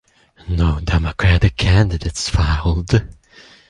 No Democratic candidates filed.